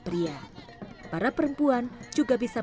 banyak putus sekolah